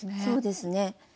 そうですね